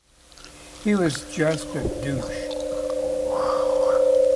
He was just a douche.